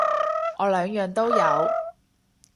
我兩樣都有